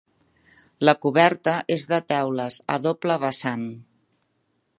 La coberta és de teules, a doble vessant.